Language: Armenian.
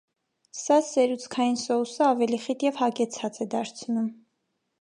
Սա սերուցքային սոուսը ավելի խիտ և հագեցած է դարձնում։